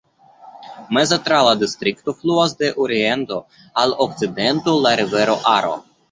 Meze tra la distrikto fluas de oriento al okcidento la rivero Aro.